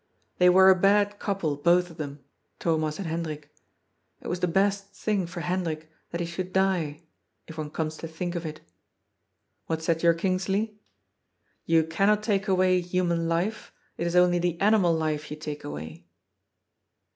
They were a bad couple, both of them, Thomas and Hendrik. It was the best thing for Hendrik that he should die — if one comes to think of it What said your Kingsley? *You cannot take away human life : it is only the animal life you take away.